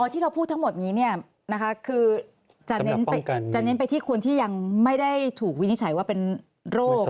ที่เราพูดทั้งหมดนี้คือจะเน้นไปที่คนที่ยังไม่ได้ถูกวินิจฉัยว่าเป็นโรค